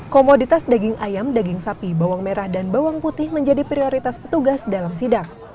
komoditas daging ayam daging sapi bawang merah dan bawang putih menjadi prioritas petugas dalam sidak